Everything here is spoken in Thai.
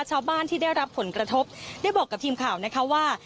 ชาวบ้านที่ได้รับผลกระทบได้บอกกับทีมข่าวนะคะว่า